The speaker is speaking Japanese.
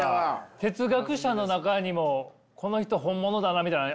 哲学者の中にもこの人本物だなみたいなのあるんすか？